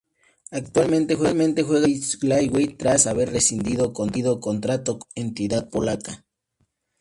Actualmente juega en el Piast Gliwice tras haber rescindido contrato con la entidad polaca.